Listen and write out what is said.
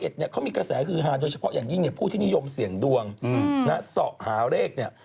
โดยเฉพาะอย่างนี้ผู้ที่นิยมเสี่ยงดวงสอบหาเลข